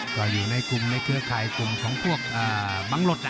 ก็อยู่ในกลุ่มในเครือข่ายกลุ่มของพวกมังหลด